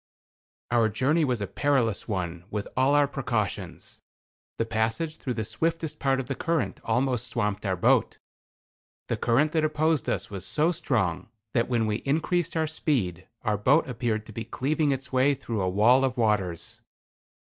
Our journey was a perilous one with all our precautions. The passage through the swiftest part of the current almost swamped our boat. The current that opposed us was so strong, that when we increased our speed our boat appeared to be cleaving its way through a wall of waters.